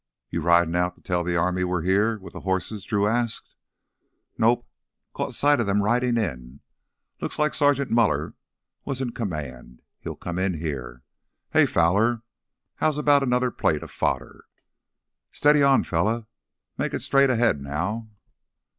"You ridin' out to tell the army we're here—with the horses?" Drew asked. "Nope, caught sight of them ridin' in. Looked like Sergeant Muller was in command—he'll come in here. Hey, Fowler, how's about another plate of fodder?" "Steady on, fella. Make it straight ahead now!"